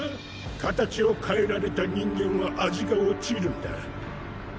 形を変えられた人間は味が落ちるんだ。